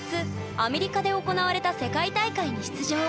アメリカで行われた世界大会に出場！